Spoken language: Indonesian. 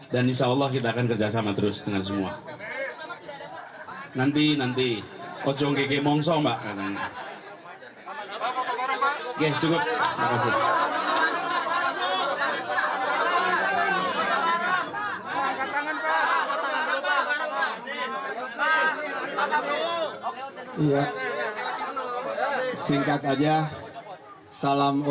dan insya allah kita akan kerjasama terus